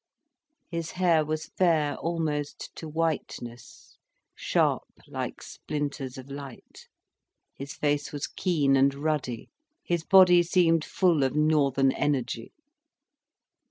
His hair was fair almost to whiteness, sharp like splinters of light, his face was keen and ruddy, his body seemed full of northern energy.